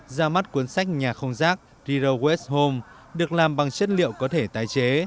ra mắt cuốn sách nhà không rác riro west home được làm bằng chất liệu có thể tái chế